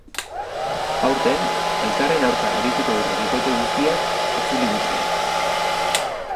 Aurten elkarren aurka arituko dira bikote guztiak itzuli bitan.